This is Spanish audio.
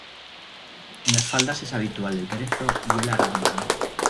En las faldas es habitual el brezo y el arándano.